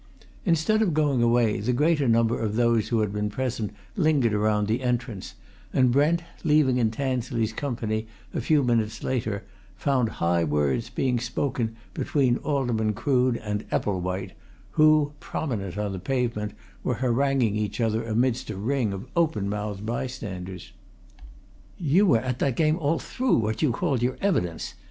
Instead of going away, the greater number of those who had been present lingered around the entrance, and Brent, leaving in Tansley's company a few minutes later, found high words being spoken between Alderman Crood and Epplewhite, who, prominent on the pavement, were haranguing each other amidst a ring of open mouthed bystanders. "You were at that game all through what you called your evidence!"